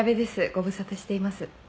ご無沙汰しています。